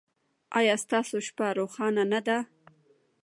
ایا ستاسو شپه روښانه نه ده؟